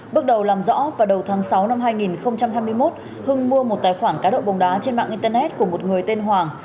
bước đầu làm rõ vào đầu tháng sáu năm hai nghìn hai mươi một hưng mua một tài khoản cá độ bóng đá trên mạng internet của một người tên hoàng